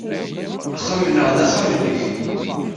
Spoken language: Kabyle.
Axxam-nneɣ d axxam-nnek.